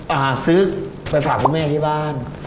อ่าซื้อไปฝากคุณแม่ที่บ้าน